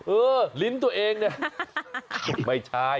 ลิ้นตัวเองเนี่ยไม่ใช่